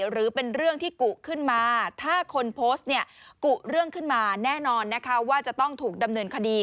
หรือเป็นเรื่องที่กุขึ้นมาถ้าคนโพสต์เนี่ยกุเรื่องขึ้นมาแน่นอนนะคะว่าจะต้องถูกดำเนินคดี